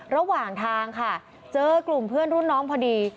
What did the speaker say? ระหว่างทางค่ะเจอกลุ่มเพื่อนรุ่นน้องพอดี